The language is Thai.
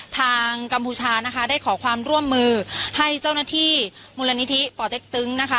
กัมพูชานะคะได้ขอความร่วมมือให้เจ้าหน้าที่มูลนิธิป่อเต็กตึงนะคะ